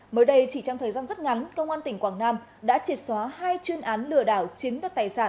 mới đây chỉ trong thời gian rất ngắn công an tỉnh quảng nam đã triệt xóa hai chuyên án lừa đảo chiếm đất tài sản